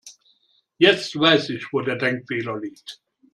Jetzt weiß ich, wo der Denkfehler liegt.